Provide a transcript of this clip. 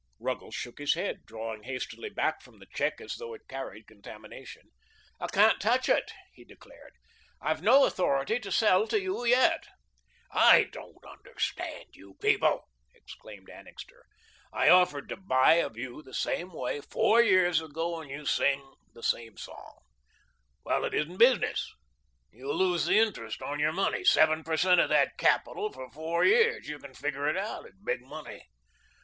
Ruggles shook his head, drawing hastily back from the check as though it carried contamination. "I can't touch it," he declared. "I've no authority to sell to you yet." "I don't understand you people," exclaimed Annixter. "I offered to buy of you the same way four years ago and you sang the same song. Why, it isn't business. You lose the interest on your money. Seven per cent. of that capital for four years you can figure it out. It's big money."